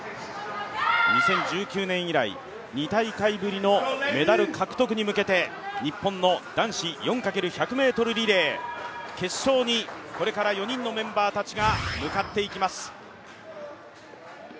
２０１９年以来、２大会ぶりのメダル獲得に向けて日本の男子４×１００ｍリレー決勝にこれから４人のメンバーたちが向かっていきます。